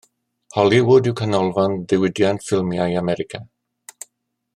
Hollywood yw canolfan diwydiant ffilmiau America.